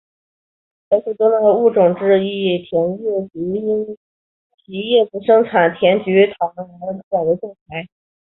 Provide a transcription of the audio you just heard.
本属中的物种之一甜叶菊因其叶子生产甜菊糖而广为栽种。